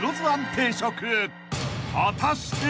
［果たして］